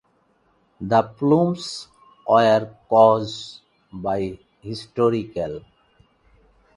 The plumes were caused by historical mining practices in the Kennecott South Zone.